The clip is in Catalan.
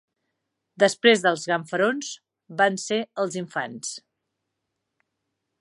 Després dels ganfarons van ser els infants